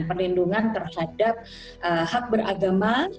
perlindungan terhadap hak beragama